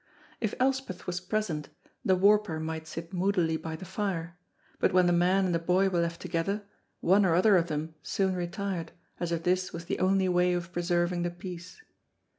If Elspeth was present, the warper might sit moodily by the fire, but when the man and the boy were left together, one or other of them soon retired, as if this was the only way of preserving the peace.